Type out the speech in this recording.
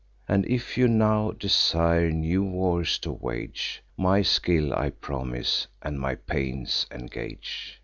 And, if you now desire new wars to wage, My skill I promise, and my pains engage.